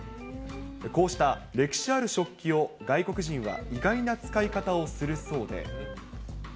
こうした歴史ある食器を外国人は意外な使い方をするそうで。